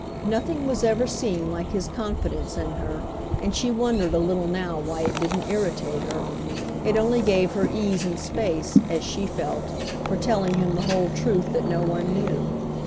Nothing was ever seen like his confidence in her and she wondered a little now why it didn't irritate her. It only gave her ease and space, as she felt, for telling him the whole truth that no one knew.